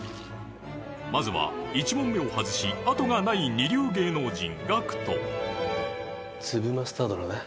まずは１問目を外し、あとがない二流芸能人、ＧＡＣＫＴ。